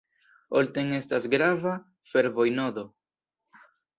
Olten estas grava fervoj-nodo.